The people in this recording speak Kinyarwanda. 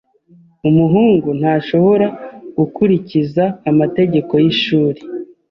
Umuhungu ntashobora gukurikiza amategeko yishuri.